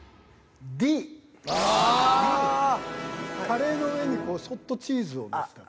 カレーの上にそっとチーズをのせた。